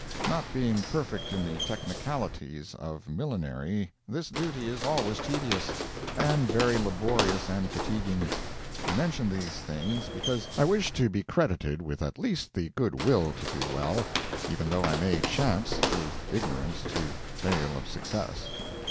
Not being perfect in the technicalities of millinery, this duty is always tedious, and very laborious and fatiguing. I mention these things, because I wish to be credited with at least the good will to do well, even though I may chance, through ignorance, to fail of success.